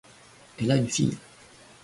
Elle a une fille.